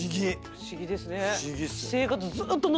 不思議ですね。